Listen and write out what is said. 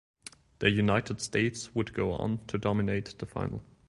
The United States would go on to dominate the final.